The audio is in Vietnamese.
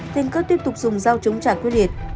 tên cướp tiếp tục dùng dao chống trả quyết liệt